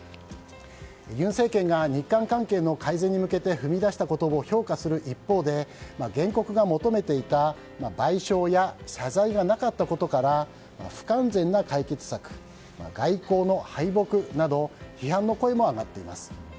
尹政権が日韓関係の改善に向けて踏み出した一方で原告が求めていた賠償や謝罪がなかったことから不完全な解決策、外交の敗北など批判の声も上がっています。